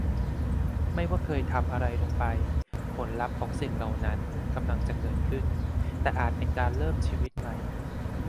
ไม่ว่าเคยทำอะไรลงไปผลลัพธ์ของสิ่งเหล่านั้นกำลังจะเกิดขึ้น แต่อาจเป็นการเริ่มชีวิตใหม่